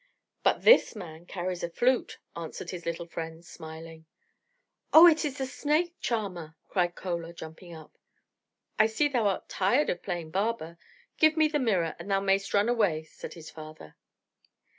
"But this man carries a flute," answered his little friend, smiling. "Oh, it is the snake charmer!" cried Chola, jumping up. "I see thou art tired of playing barber. Give me the mirror, and thou mayst run away," said his father.